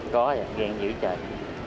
có rồi ghen dữ trời